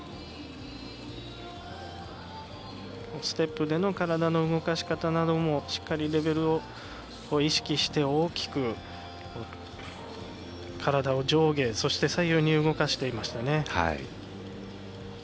ステップでの体の動かし方などもしっかりレベルを意識して大きく、体を上下そして左右に動かしていましたね。